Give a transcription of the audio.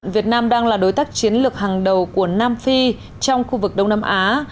việt nam đang là đối tác chiến lược hàng đầu của nam phi trong khu vực đông nam á